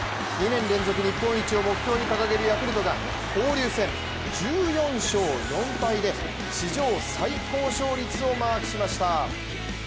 ２年連続日本一を目標に掲げるヤクルトが交流戦１４勝４敗で史上最高勝率をマークしました。